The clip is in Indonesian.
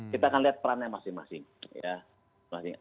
kita akan lihat perannya masing masing